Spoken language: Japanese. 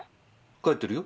帰ってるよ。